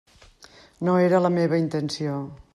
No era la meva intenció.